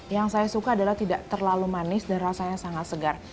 yang saya suka adalah tidak terlalu manis dan rasanya sangat segar